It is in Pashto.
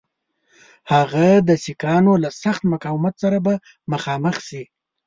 هغه د سیکهانو له سخت مقاومت سره به مخامخ سي.